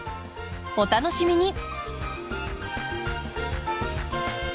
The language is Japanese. お楽しみに。